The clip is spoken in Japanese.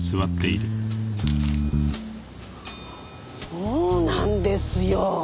そうなんですよ。